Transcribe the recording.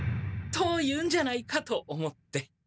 と言うんじゃないかと思って。